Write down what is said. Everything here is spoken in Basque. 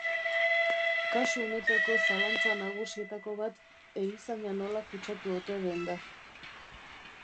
Kasu honetako zalantza nagusietako bat erizaina nola kutsatu ote den da.